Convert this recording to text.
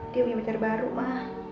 dia punya pacar baru ma